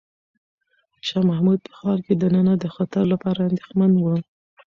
شاه محمود په ښار کې دننه د خطر لپاره اندېښمن و.